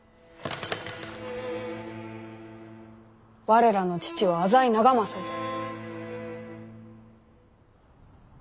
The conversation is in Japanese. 我らの父は浅井長政じゃ。